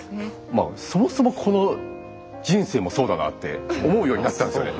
まあそもそもこの人生もそうだなって思うようになったんですよね。